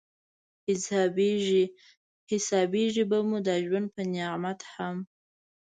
حسابېږي به مو دا ژوند په نعمت هم